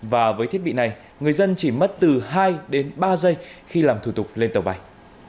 và với thiết bị này người dân chỉ mất từ hai đến ba giây khi làm thủ tục lên tàu bay